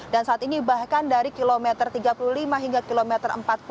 dan saat ini bahkan dari kilometer tiga puluh lima hingga kilometer empat puluh dua